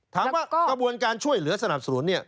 ถามว่ากระบวนการช่วยเหลือสนับสนุนเนี่ย